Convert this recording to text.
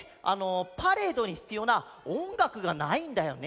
パレードにひつようなおんがくがないんだよね。